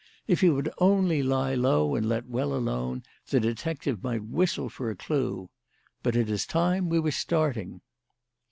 If he would only lie low and let well alone, the detective might whistle for a clue. But it is time we were starting."